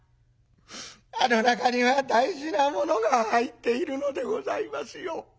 あの中には大事なものが入っているのでございますよ。